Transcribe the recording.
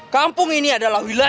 kampung ini adalah wilayah